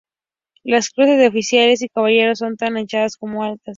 Las cruces de oficiales y caballeros son tan anchas como altas.